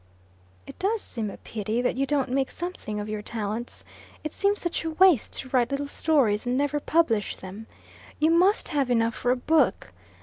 "It does seem a pity that you don't make something of your talents. It seems such a waste to write little stories and never publish them. You must have enough for a book.